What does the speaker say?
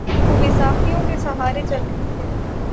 وہ بیساکھیوں کے سہارے چل رہی ہے۔